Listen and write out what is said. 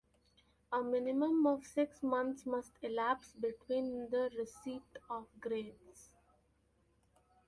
A minimum of six months must elapse between the receipt of grades.